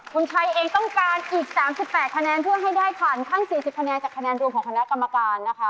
คุณชัยเองต้องการอีก๓๘คะแนนเพื่อให้ได้ผ่านขั้น๔๐คะแนนจากคะแนนรวมของคณะกรรมการนะคะ